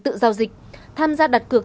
tự giao dịch tham gia đặt cược